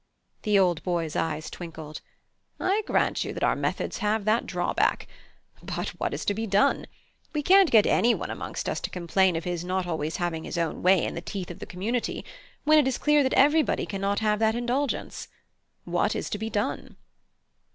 The old boy's eyes twinkled. "I grant you that our methods have that drawback. But what is to be done? We can't get anyone amongst us to complain of his not always having his own way in the teeth of the community, when it is clear that everybody cannot have that indulgence. What is to be done?"